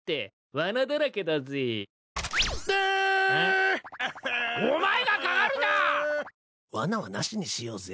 わなはなしにしようぜ。